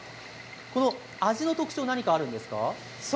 味の特徴は何かあるんですか？